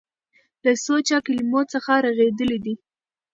له سوچه کلمو څخه رغېدلي دي.